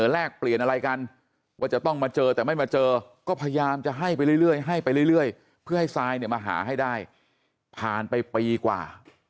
เรื่อยเพื่อให้ซายเนี่ยมาหาให้ได้ผ่านไปปีกว่า